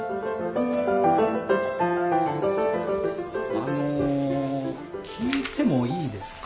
あの聞いてもいいですか？